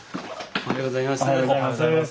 おはようございます。